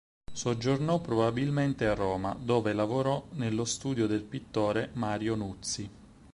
Soggiornò probabilmente a Roma, dove lavorò nello studio del pittore Mario Nuzzi.